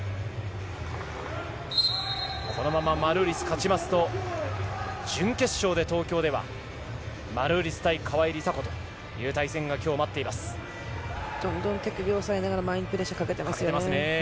このままマルーリスが勝ちますと準決勝で東京では川井梨紗子との対戦が待っています。